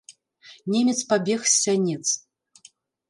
Немец пабег з сянец.